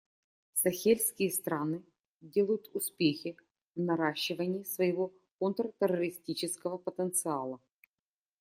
Сахельские страны делают успехи в наращивании своего контртеррористического потенциала.